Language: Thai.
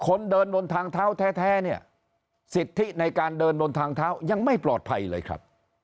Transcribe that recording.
คนเดินบนทางเท้าแท้เนี่ยสิทธิในการเดินบนทางเท้ายังไม่ปลอดภัยเลยครับ